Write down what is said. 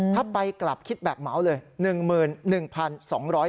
ถ้าไปกลับคิดแบบเหมาเลย